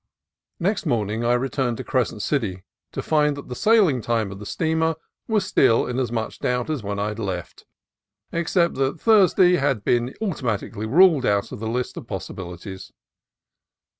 3 i2 CALIFORNIA COAST TRAILS Next morning I returned to Crescent City, to find that the sailing time of the steamer was still in as much doubt as when I left, except that Thursday had been automatically ruled out of the list of possi bilities.